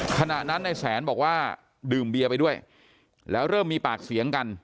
ขณะนั้นในแสนบอกว่าดื่มเบียร์ไปด้วยแล้วเริ่มมีปากเสียงกัน